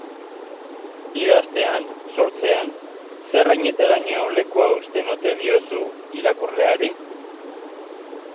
Idaztean, sortzean, zer heinetaraino lekua uzten ote diozu irakurleari?